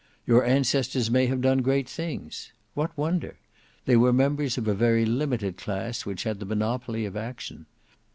Your ancestors may have done great things. What wonder! They were members of a very limited class which had the monopoly of action.